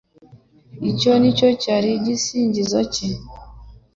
icyo nicyo cyari igisingizo cye )